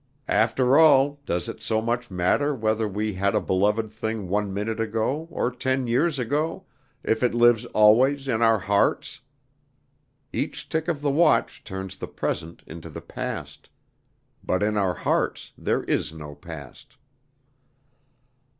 "After all, does it so much matter whether we had a beloved thing one minute ago, or ten years ago, if it lives always in our hearts? Each tick of the watch turns the present into the past. But in our hearts there is no past."